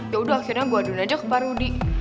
yaudah akhirnya gue aduin aja ke pak rudy